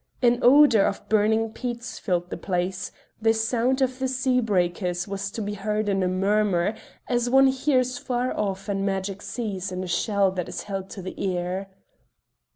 An odour of burning peats filled the place; the sound of the sea breakers was to be heard in a murmur as one hears far off and magic seas in a shell that is held to the ear.